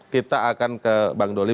kita akan ke bang doli